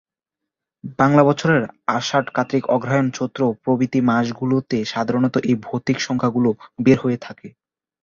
বাংলা বছরের আষাঢ়, কার্তিক, অগ্রহায়ণ, চৈত্র প্রভৃতি মাসগুলিতে সাধারণত এই ভৌতিক সংখ্যাগুলি বের হয়ে থাকে।